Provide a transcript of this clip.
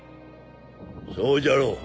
そうじゃろう？